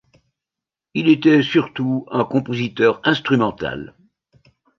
Il était surtout un compositeur instrumental.